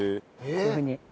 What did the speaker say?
こういうふうに。